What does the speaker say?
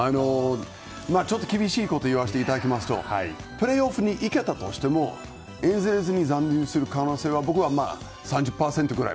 ちょっと厳しいことを言わせていただきますとプレーオフに行けたとしてもエンゼルスに残留する可能性は僕は３０％ぐらい。